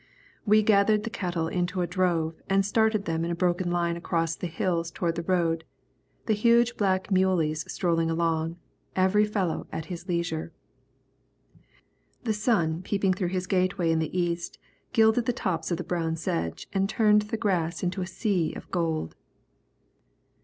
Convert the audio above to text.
We gathered the cattle into a drove, and started them in a broken line across the hills toward the road, the huge black muleys strolling along, every fellow at his leisure. The sun peeping through his gateway in the east gilded the tops of the brown sedge and turned the grass into a sea of gold.